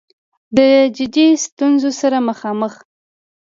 د جدي ستونځو سره مخامخ